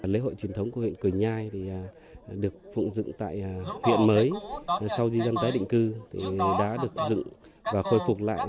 lễ hội truyền thống của huyện quỳnh nhai thì được phụng dựng tại huyện mới sau di dân tái định cư đã được dựng và khôi phục lại